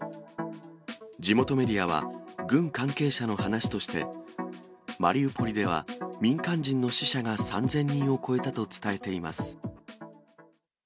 地元メディアは、軍関係者の話として、マリウポリでは民間人の死者が３０００人を超えたと伝えています。